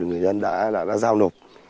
người dân đã giao nộp